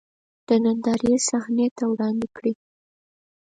د نندارې صحنې ته وړاندې کړي.